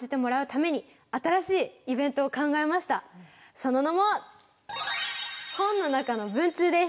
その名も本の中の文通です！